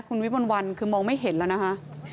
คุณวิมวลวันคือมองไม่เห็นแล้วนะคะ